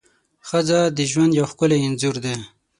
ښځه د ژوند یو ښکلی انځور ده.